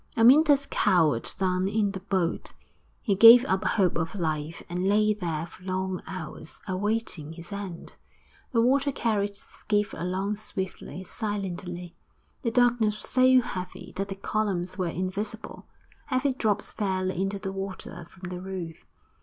Amyntas cowered down in the boat. He gave up hope of life, and lay there for long hours awaiting his end; the water carried the skiff along swiftly, silently. The darkness was so heavy that the columns were invisible, heavy drops fell into the water from the roof.